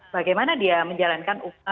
bagaimana dia menjalankan